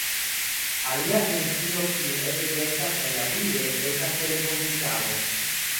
Alia industrio kiu ege kreskas kaj rapide estas telekomunikado.